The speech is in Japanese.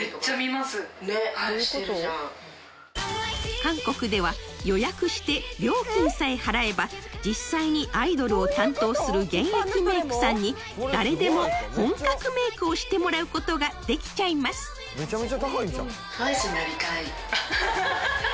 韓国では予約して料金さえ払えば実際にアイドルを担当する現役メイクさんに誰でも本格メイクをしてもらうことができちゃいますＴＷＩＣＥになりたい